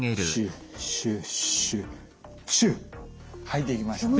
はいできました。